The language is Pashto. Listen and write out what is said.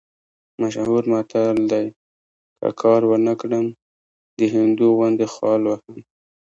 مشهور متل دی: که کار ونه کړم، د هندو غوندې خال وهم.